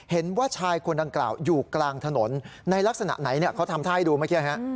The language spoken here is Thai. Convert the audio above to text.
เห็นว่าชายคนดังกล่าวอยู่กลางถนนในลักษณะไหนเขาทำท่าให้ดูเมื่อกี้